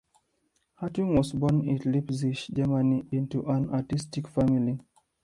Hartung was born in Leipzig, Germany into an artistic family.